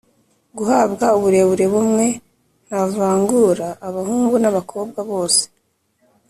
guhabwa uburere bumwe nta vangura. Abahungu n’abakobwa bose